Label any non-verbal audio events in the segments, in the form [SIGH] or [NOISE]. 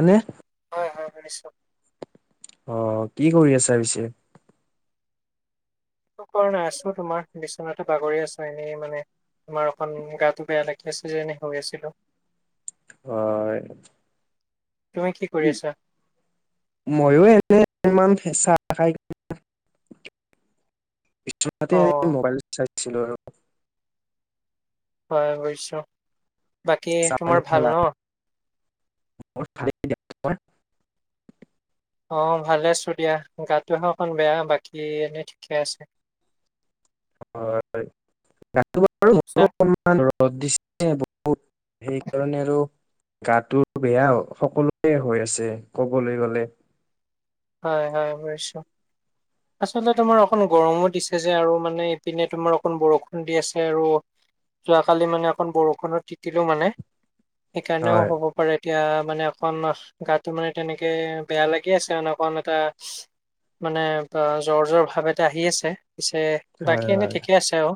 এনে। হয় হয় শুনিছোঁ। অ', কি কৰি আছা পিছে? একো কৰা নাই আছোঁ তোমাৰ বিছনাতে বাগৰি আছো এনেই মানে তোমাৰ অকণ গাটো বেয়া লাগি আছে যে এনে শুই আছিলো। হয়। তুমি কি কৰি আছা। মও এনে ইমান চাহ খাই বিচনাতে অ এনে মোবাইল চাইছিলোঁ আৰু। হয় [UNINTELLIGIBLE] বাকী চাহ পানী তোমাৰ ভাল খালা ন মই খোৱাই নাই তই। অ', ভালে আছোঁ দিয়া গাটোহে অকণ বেয়া বাকী এনেই ঠিকে আছে। হয়, হয় গাটো বাৰু আচ্ছা মোৰো অলপ বেয়া। ৰ'দ দিছে বহুত সেইকাৰণে আৰু। গাটো বেয়া সকলোয়ে হৈ আছে কবলৈ গ'লে। হয়, হয় বুজিছোঁ। [INAUDIBLE] আচলতে তোমাৰ অকণ গৰমো দিছে যে আৰু মানে ইপিনে তোমাৰ অকন বৰষুণ দি আছে আৰু। যোৱাকালি মানে অকমান বৰষুণত তিতিলো মানে হয় সেইকাৰণেও হ'ব এতিয়া মানে অকন গাটো মানে তেনেকৈ বেয়া লাগি আছে অকণ অন এটা মানে জ্বৰ জ্বৰ ভাৱ এটা আহি আছে পিছে বাকী হয় এনে হয় ঠিকে আছে আৰু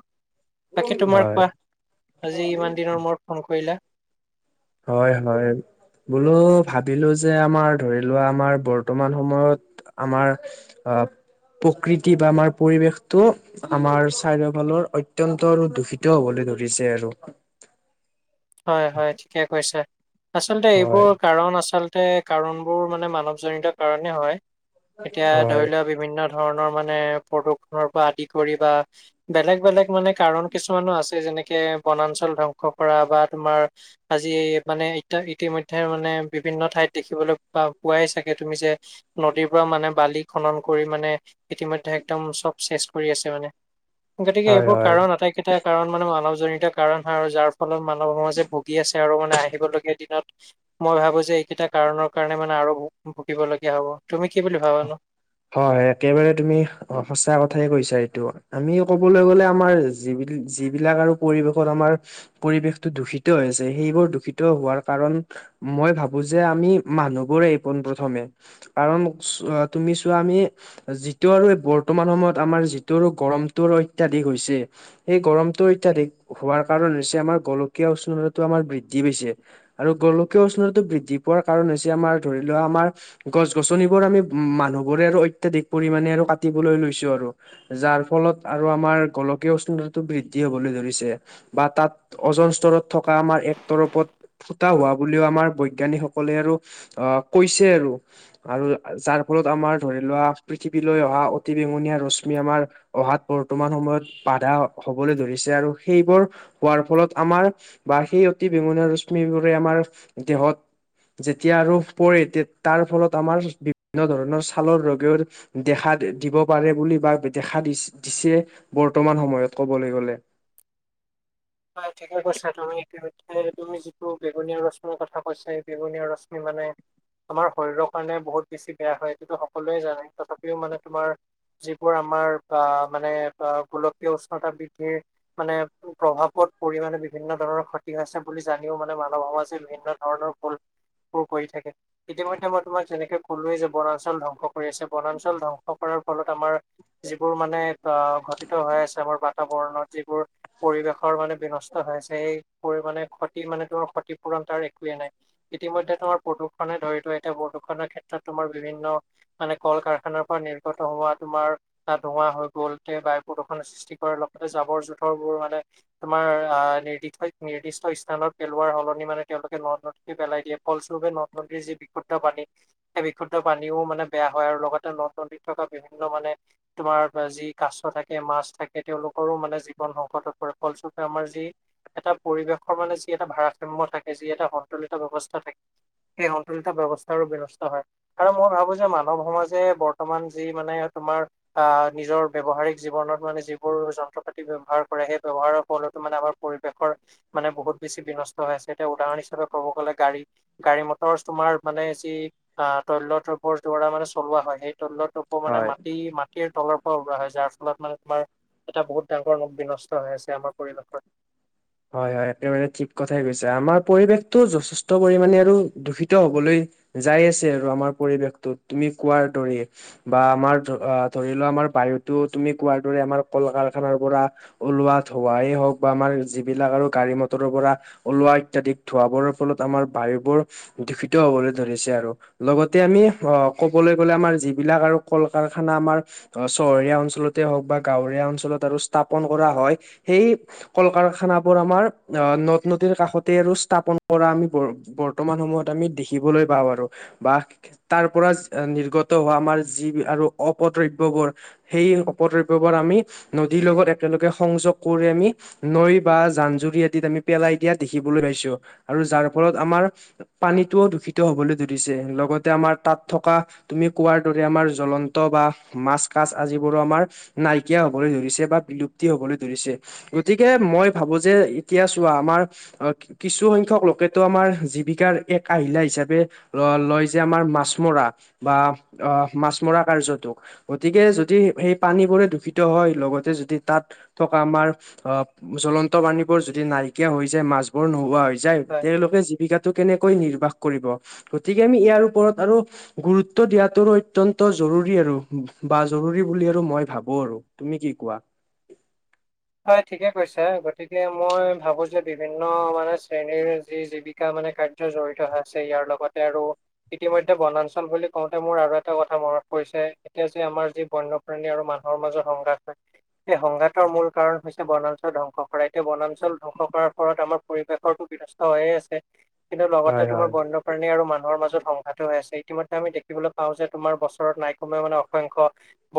বাকী তোমাৰ হয় কোৱা আজি ইমান দিনৰ মোৰত ফোন কৰিলা। হয়, হয়। বোলো ভাবিলোঁ যে আমাৰ ধৰি লোৱা আমাৰ বৰ্তমান সময়ত আমাৰ আহ প্ৰকৃতি বা আমাৰ পৰিৱেশটো আমাৰ চাৰিওফালৰ অত্যন্ত আৰু দূষিত হবলৈ ধৰিছে আৰু। হয়, হয় ঠিকে কৈছে আচলতে হয় এইবোৰ কাৰণ আচলতে কাৰণবোৰ মানে মানৱজনিত কাৰণে হয় এতিয়া ধৰি হয় লোৱা বিভিন্ন ধৰণৰ মানে প্ৰদূষনৰৰ পৰা আদি কৰি বা বেলেগ, বেলেগ মানে কাৰণ কিছুমানো আছে যেনেকে বনাঞ্চল ধ্বংস কৰা বা তোমাৰ আজি মানে ই ইতিমধ্যে মানে বিভিন্ন ঠাইত দেখিবলৈ প পোৱাই চাগে তুমি যে নদীৰ পৰা মানে বালি খনন কৰি মানে ইতিমধ্যে একদম চব চেচ কৰি আছে মানে গতিকে হয় এইবোৰ কাৰণ হয় আটাইকেইটা কাৰণ মানে মানৱজনিত কাৰণ হয় আৰু যাৰ ফলত মানৱ সমাজে ভুগি আছে আৰু মানে আহিবলগীয়া দিনত মই ভাবো যে এইকেইটা কাৰনৰ কাৰণে মানে আৰু ভুগিব লগীয়া হব তুমি কি বুলি ভাবানো? হয়-হয় একেবাৰে তুমি অ, সঁচা কথাই কৈছা এইটো আমি কবলৈ গলে আমাৰ যিবিল যিবিলাক আৰু পৰিৱেশত আমাৰ, পৰিৱেশটো দূষিত হৈ আছে সেইবোৰ দূষিত হোৱাৰ কাৰণ, মই ভাবো যে আমি মানুহবোৰে পোন প্ৰথমে কাৰণ, তুমি চোৱা আমি, যিটো আৰু বৰ্তমান সময়ত আমাৰ যিটো আৰু গৰমটোৰ অত্যাধিক হৈছে। এই গৰমটো অত্যাধিক হোৱাৰ কাৰণ হৈছে আমাৰ গোলকীয়া উষ্ণতাটো আমাৰ বৃদ্ধি পাইছে। আৰু গোলকীয় উষ্ণতাটো বৃদ্ধি পোৱাৰ কাৰণ হৈছে আমাৰ ধৰি লোৱা আমাৰ গছ-গছনি। আমি মানুহবোৰে আৰু অত্যাধিক পৰিমানে আৰু কাটিবলৈ লৈছো আৰু। যাৰ ফলত আৰু আমাৰ গোলকীয় উষ্ণতাটো বৃদ্ধি হবলৈ ধৰিছে। বা তাত অজন স্তৰত থকা আমাৰ এক তৰপত ফুটা হোৱা বুলিও আমাৰ বৈজ্ঞানিকসকলে আৰু আহ কৈছে আৰু আ, যাৰ ফলত আমাৰ ধৰি লোৱা পৃথিৱীলৈ অহা অতি বেঙুনীয়া ৰশ্মি আমাৰ, অহাত বৰ্তমান সময়ত বাধা হবলৈ ধৰিছে আৰু সেইবোৰ হোৱাৰ ফলত আমাৰ, বা সেই অতি বেঙুনীয়া ৰশ্মিবোৰে আমাৰ দেহত যেতিয়া ৰ আৰু পৰে তাৰ ফলত আমাৰ বিভিন্ন ধৰণৰ ছালৰ ৰোগেও দেখা দিব পাৰে বুলি বা দেখা দি দিছে। বৰ্তমান সময়ত ক'বলে গ'লে। হয় ঠিকে কৈছা তুমি ইতিমধ্যে তুমি যিটো বেগুনীয়া ৰশ্মিৰ কথা কৈছা সেই বেগুনীয়া ৰশ্মি মানে, আমাৰ শৰীৰৰ কাৰণে বহুত বেছি বেয়া হয় এইটোতো সকলোৱে জানে তথাপিও মানে তোমাৰ যিবোৰ আমাৰ বা মানে গোলকীয় উষ্ণতা বৃদ্ধিৰ মানে প্ৰভাৱ, পৰিমাণে বিভিন্ন ধৰণৰ খতি আছে বুলি জানিও মানে মানৱ সমাজে বিভিন্ন ধৰণৰ ফল কৰি থাকে। ইতিমধ্যে মই তোমাক যেনেকে কলোৱেই যে বনাঞ্চল ধ্বংস কৰি আছে বনাঞ্চল ধ্বংস কৰাৰ ফলত আমাৰ, যিবোৰ মানে অ ঘটিত হৈ আছে আমাৰ বাতাবৰণত যিবোৰ পৰিৱেশ, ৰ মানে বিনষ্ট হৈ আছে, সেই পৰিমানে ক্ষতি মানে ত ক্ষতিপূৰণ তাৰ একোৱে নাই। ইতিমধ্যে তোমাৰ প্ৰদূষণে ধৰিতো এতিয়া প্ৰদূষণৰ ক্ষেত্ৰত তোমাৰ বিভিন্ন, মানে কল কাৰখানাৰ পৰা নিৰ্গত হোৱা তোমাৰ তাত ধোৱা হৈ গ'ল তে বায়ু প্ৰদূষণৰ সৃষ্টি কৰে লগতে জাবৰ জোথৰবোৰ মানে তোমাৰ আহ নিৰ্দিষ্ট নিৰ্দিষ্ট স্থানত পেলোৱাৰ সলনি মানে তেওঁলোকে ন, পেলাই দিয়ে ফলস্বৰূপে নদী নদীৰ যি বিশুদ্ধ পানীত বিশুদ্ধ পানীও মানে বেয়া হয় আৰু লগতে নদ নদীত থকা বিভিন্ন মানে, তোমাৰ যি কাছ থাকে মাছ থাকে তেওঁলোকৰো মানে জীৱন সংকটত পৰে। ফল স্বৰূপে আমাৰ যি এটা পৰিৱেশৰ মানে যি এটা ভাৰাসাম্য থাকে যি এটা সন্তুলিত ব্যৱস্থা থাকে। সেই সন্তুলিত ব্যৱস্থাৰো ব্যৱস্থা হয়। আৰু মই ভাবো যে মানৱ সমাজে বৰ্তমান যি মানে তোমাৰ অ' নিজৰ ব্যৱহাৰিক জীৱনত মানে যিবোৰ যন্ত্ৰ পাতি ব্যৱহাৰ কৰে। সেই ব্যৱহাৰৰ ফলতো মানে আমাৰ পৰিবেশ ধৰ মানে বহুত বেছি বিনষ্ট হৈ আছে এতিয়া উদাহৰণ হিচাপে ক'ব গ'লে গাড়ী। গাড়ী মটৰ তোমাৰ মানে যি অ' তৈলবৰ দা মানে চলোৱা হয় সেই তৈল, মানে হয় মাটি মাটিৰ তলৰ পৰা ওলোৱা হয় যাৰ ফলত মানে তোমাৰ এটা বহুত ডাঙৰ বিনষ্ট হৈ আছে আমাৰ পৰিৱেশত। হয়-হয় একেবাৰে ঠিক কথাই কৈছে, আমাৰ পৰিৱেশটো যথেষ্ট পৰিমামানে আৰু দূষিত হ'বলৈ যায় আছে আৰু আমাৰ পৰিৱেশটো তুমি কোৱাৰ দৰে। বা আমাৰ ধ ধৰি লোৱা আমাৰ বাহুতো তুমি কোৱাৰ দৰে আমাৰ কল কাৰখানাৰ পৰা ওলোৱা ধোৱাই হওঁক বা আমাৰ যিবিলাক আৰু গাড়ী মটৰৰ পৰা ওলোৱা ইত্যাদিক ধোৱা বৰৰ ফলত আমাৰ বায়ুবোৰ দূষিত হ'বলৈ ধৰিছে আৰু। লগতে আমি অ ক'বলৈ গ'লে আমাৰ যিবিলাক আৰু কল কাৰখানা আমাৰ অ চহৰীয়া অঞ্চলতে হওঁক বা গাঁৱৰীয়া অঞ্চলত আৰু স্থাপন কৰা হয়। সেই কল কাৰখা খানাবোৰ আমাৰ অ নদ-নদীৰ কাষতে আৰু স্থাপন কৰা আমি বৰ্তমান সময়ত আমি দেখিবলৈ পাওঁ আৰু বা তাৰ পৰা নিৰ্গত হোৱা আমাৰ যি আৰু অপদ্ৰব্যবোৰ সেই অপদ্ৰব্যবোৰ আমি নদীৰ লগত একেলগে সংযোগ কৰি আমি নৈ বা জান জুৰি আদিত আমি পেলাই দিয়া দেখিবলৈ পাইছো আৰু যাৰ ফলত আমাৰ পানীটোও দূষিত হ'বলৈ ধৰিছে। লগতে আমাৰ তাত থকা তুমি কোৱাৰ দৰে আমাৰ জ্বলন্ত বা মাছ-কাছ আজিবোৰো আমাৰ নাইকিয়া হ'বলৈ ধৰিছে বা বিলুপ্তি হ'বলৈ ধৰিছে। গতিকে মই ভাবো যে এতিয়া চোৱা আমাৰ অ কিছু সংখ্যক লোকেতো আমাৰ জীৱিকাৰ এক আহিলা হিচাপে ল লয় যে আমাৰ মাছ মৰা বা অ মাছ মৰা কাৰ্যটো গতিকে যদি সেই পানীবোৰে দূষিত হয় লগতে যদি তাত থকা আমাৰ অ জ্বলন্ত জ্বলন্ত পানীবোৰ যদি নাইকিয়া হৈ যায় মাছবোৰ নোহোৱা হৈ যায়, হয়। তেওঁলোকে যি জীবিকাটো কেনেকৈ নিৰ্বাহ কৰিব, গতিকে আমি ইয়াৰ ওপৰত আৰু গুৰুত্ব দিয়াতটো অত্যন্ত জৰুৰী আৰু বা জৰুৰী বুলি আৰু মই ভাবো আৰু। তুমি কি কোৱা? হয় ঠিকে কৈছা। গতিকে মই ভাবো যে বিভিন্ন মানে শ্ৰেণীৰ যি জীবি কা মানে কাৰ্য জড়িত আছে ইয়াৰ লগতে আৰু ইতিমধ্যে বনাঞ্চল বুলি কওঁতে মোৰ আৰু এটা কথা মনত পৰিছে। এতিয়া যে আমাৰ যি বন্যপ্ৰাণী আৰু মানুহৰ মাজত সংঘাত হয় সেই সংঘাতৰ মূল কাৰণ হৈছে বনাঞ্চল ধ্বংস কৰা। এতিয়া বনাঞ্চল ধ্বংস কৰাৰ ফলত আমাৰ পৰিৱেশৰ সু হৈয়ে আছে। কিন্তু লগতে হয় তোমাৰ হয় বন্য কাৰণে আৰু মানুহৰ মাজত সংঘাত হৈ আছে। ইতিমধ্যে আমি দেখিবলৈ পাওঁ যে তোমাৰ বছৰত নাই কমেও মানে অসংখ্য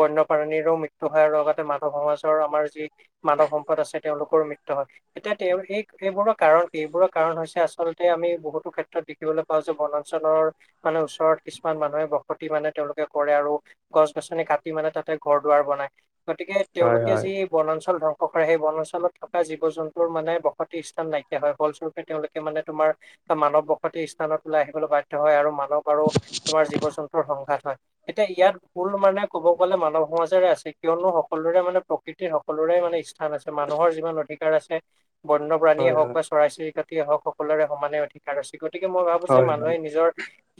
বন্যপ্ৰাণীৰো মৃত্যু হোৱাৰ লগতে মাধৱ সমাজৰ আমাৰ যি মানৱ সম্পদ আছে তেওঁলোকৰো মৃত্যু হয়। এতিয়া তেওঁ এই এইবোৰৰ কাৰণ কি এইবোৰক কাৰণ হৈছে আচলতে আমি বহুতো ক্ষেত্ৰত দেখিবলৈ পাওঁ যে বনাঞ্চলৰ মানে ওচৰত কিছুমান মানুহে বসতি মানে তেওঁলোকে কৰে আৰু গছ-গছনি কাটি মানে তাতে ঘৰ দুৱাৰ বনাই। গতিকে হয় তেওঁলোকে হয় যি বনাঞ্চল ধ্বংস কৰে। সেই বনাঞ্চলত থকা জীৱ-জন্তুৰ মানে বসতি স্থান নাইকিয়া হয়। ফল তেওঁলোকে মানে তোমাৰ মানৱ বসতি স্থানত ওলাই আহিবলৈ বাধ্য হয় আৰু [UNINTELLIGIBLE] আৰু তোমাৰ জীৱ-জন্তুৰ সংঘাত হয়। এতিয়া ইয়াত ভুল মানে ক'ব গ'লে মানৱ সমাজেৰে আছে। কিয়নো সকলোৰে মানে প্ৰকৃতি সকলোৰে মানে স্থান আছে। মানুহৰ যিমান অধিকাৰ আছে, বন্যপ্ৰাণীয়ে হয় হয় হওক হয় বা চৰাই-চিৰিকাটিয়ে হওক সকলোৰে সমানে অধিকাৰ আছে। গতিকে মই ভাবো যে হয় মানুহে নিজৰ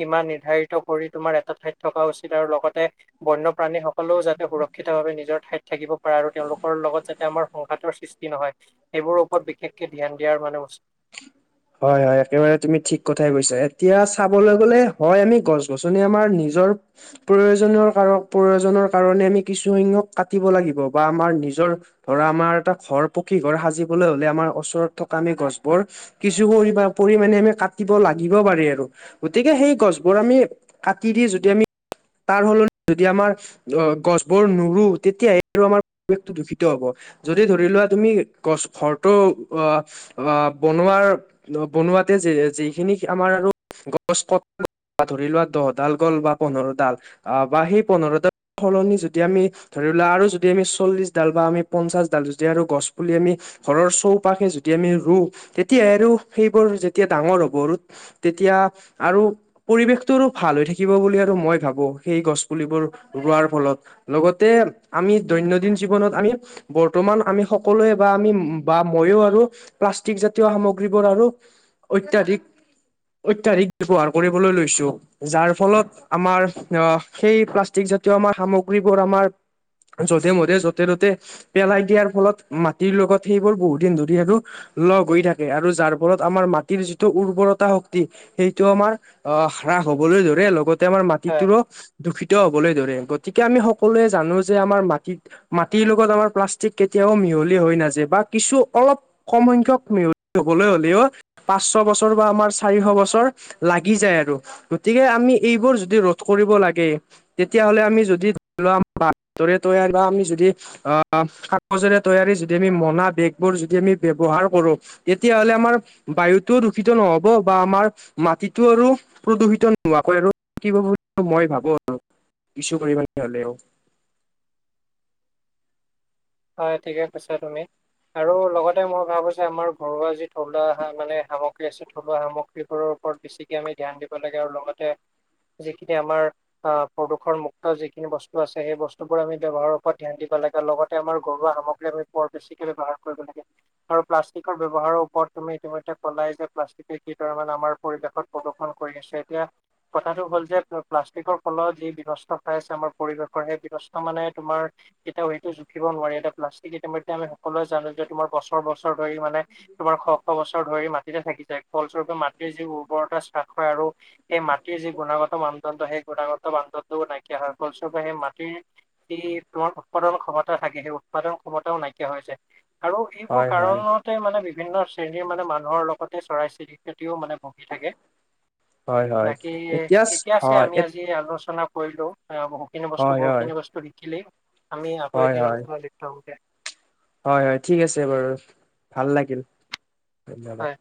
সিমান নিৰ্ধাৰিত কৰি তোমাৰ এটা ঠাইত থকা উচিত আৰু লগতে বন্যপ্ৰাণীসকলেও যাতে সুৰক্ষিতভাৱে নিজৰ ঠাইত থাকিব পাৰে আৰু তেওঁলোকৰ লগত যাতে আমাৰ সংঘাতৰ সৃষ্টি নহয়। সেইবোৰৰ ওপৰত বিশেষকে ধ্যান দিয়াৰ মানে উচ হয় হয় একেবাৰে তুমি ঠিক কথাই কৈছা। এতিয়া চাবলৈ গলে হয় আমি গছ-গছনি আমাৰ নিজৰ প্ৰয়োজনৰ কাৰক, প্ৰয়োজনৰ কাৰণে আমি কিছুসংখ্যক কাটিব লাগিব বা আমাৰ নিজৰ ধৰা আমাৰ এটা ঘৰ পকী ঘৰ সাজিবলৈ হ'লে আমাৰ ওচৰত থকা আমি গছবোৰ কিছু পৰি পৰিমাণে আমি কাটিব লাগিব পাৰি আৰু। গতিকে সেই গছবোৰ আমি কাটি দি যদি আমি তাৰ সলনি যদি আমাৰ অ গছবোৰ নুৰো তেতিয়ে আৰু আমাৰ পৰিৱেশটো দূষিত হ'ব। যদি ধৰি লোৱা তুমি গছ ঘৰটো অ অ বনৱাৰ বনোৱাতে যিখিনি আমাৰ আৰু গছ ক ধৰি লোৱা দহডাল গ'ল বা পোন্ধৰ ডাল অ বা সেই পোন্ধৰডাল সলনি যদি আমি ধৰি লোৱা আৰু যদি আমি চল্লিছ ডাল বা আমি পঞ্চাশ ডাল যদি আৰু গছ পুলি আমি ঘৰৰ চৌপাশে যদি আমি ৰুওঁ, তেতিয়া আৰু সেইবোৰ যেতিয়া ডাঙৰ হ'ব আৰু তেতিয়া আৰু পৰিৱেশটোৰো ভাল হৈ থাকিব বুলি আৰু মই ভাবোঁ, সেই গছ পুলিবোৰ ৰুৱাৰ ফলত। লগতে আমি দৈনন্দিন জীৱনত আমি বৰ্তমান আমি সকলোৱে বা আমি বা মইয়ো আৰু প্লাষ্টিক সামগ্ৰীবোৰ আৰু অত্যাধিক-অত্যাধিক ব্যৱহাৰ কৰিবলৈ লৈছোঁ। যাৰ ফলত আমাৰ অহ, সেই প্লাষ্টিক জাতীয় আমাৰ সামগ্ৰীবোৰ আমাৰ যধে-মধে যতে-ততে পেলাই দিয়াৰ ফলত মাটিৰ লগত সেইবোৰ বহুত দিন ধৰি আৰু লগ গৈ থাকে আৰু যাৰ ফলত আমাৰ মাটিৰ যিটো উৰ্বৰতা শক্তি সেইটো আমাৰ অহ, হ্ৰাস হ'বলৈ ধৰে লগতে আমাৰ হয় মাটিটোৰ দূষিত হ'বলৈ ধৰে গতিকে আমি সকলোৱে জানোঁ যে আমাৰ মাটিত মাটিৰ লগত আমাৰ প্লাষ্টিক কেতিয়াও মিহলি হৈ নাযায় বা কিছু অলপ কম সংখ্যক মিহলি হ'বলৈ হ'লেও পাঁচশ বছৰ বা আমাৰ চাৰিশ বছৰ লাগি যায় আৰু। গতিকে আমি এইবোৰ যদি ৰোধ কৰিব লাগে। তেতিয়াহ'লে আমি যদি ধৰি লোৱা [UNINTELLIGIBLE] তৈয়াৰ বা আমি যদি অহ, কাগজৰে তৈয়াৰী যদি আমি মোনা বেগবোৰ যদি আমি ব্যৱহাৰ কৰোঁ। তেতিয়াহ'লে আমাৰ বায়ুটোও দূষিত নহ'ব বা আমাৰ মাটিতটো আৰু প্ৰদূষিত নোৱাকৈ আৰু থাকিব বুলি মই ভাবোঁ আৰু কিছুপৰিমাণে হ'লেও। হয়, ঠিকে কৈছা তুমি। আৰু লগতে মই ভাবোঁ যে আমাৰ ঘৰুৱা যি থলুৱা মানে সা-সামগ্ৰী আছে থলুৱা সামগ্ৰীবোৰৰ ওপৰত বেছিকে আমি ধ্যান দিব লাগে আৰু লগতে যিখিনি আমাৰ অহ প্ৰদূষণ মুুক্ত যিখিনি বস্তু আছে, সেই বস্তুবোৰ আমি ব্যৱহাৰৰ ওপৰত ধ্যান দিব লাগে। লগত আমাৰ ঘৰুৱা সামগ্ৰী আমি বৰ বেছিকে ব্যৱহাৰ কৰিব লাগে। আৰু প্লাষ্টিকৰ ব্যৱহাৰৰ ওপৰত তুমি ইতিমধ্যে কলাই যে প্লাষ্টিকে কি তাৰমানে আমাৰ পৰিৱেশত প্ৰদূষন কৰি আছে এতিয়া। কথাটো হ'ল যে প্লা-প্লাষ্টিকৰ ফলত যি বিনষ্ট পাই আছে আমাৰ পৰিৱেশৰ সেই বিনষ্ট মানে তোমাৰ কেতিয়াও সেইটো জুখিব নোৱাৰে, এতিয়া প্লাষ্টিক ইতিমধ্যে আমি সকলোৱে জানো যে তোমাৰ বছৰ বছৰ ধৰি মানে তোমাৰ শ শ বছৰ ধৰি মাটিতে থাকি যায় ফলস্বৰূপে মাটিৰ যি উৰ্বৰতা নাশ হয় আৰু এই মাটি মাটিৰ যি গুণাগত মানদণ্ড সেই গুণাগত মানদণ্ডও নাইকিয়া হয়, ফলস্বৰূপে সেই মাটিৰ যি তোমাৰ উৎপাদন ক্ষমতা থাকে সেই উৎপাদন ক্ষমতাও নাইকিয়া হৈছে আৰু এইবোৰ হয় হয় কাৰণত তে মানে বিভিন্ন শ্ৰেণীৰ মানে মানুহৰ লগতে চৰাই-চিৰিকতিও মানে ভোগি থাকে। হয় হয় বাকী এতিয়া ঠিকে আছে, হয় আমি আজি আলোচনা কৰিলোঁ। বহুখিনি বস্তু, হয় হয় বহুখিনি বস্তু শিকিলি। আমি আকৌ হয় হয় এদিন অঞ্চলৰ হয়, হয়, ঠিক আছে বাৰু ভাল লাগিল। ধন্যবাদ। হয়।